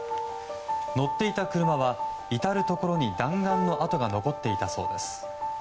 乗っていた車は至るところに弾丸の跡が残っていたそうです。